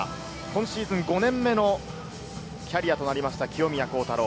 今シーズン５年目のキャリアとなりました、清宮幸太郎。